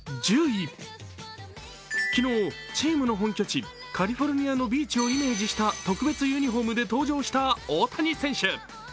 昨日、チームの本拠地、カリフォルニアのビーチをイメージした特別ユニフォームで登場した大谷選手。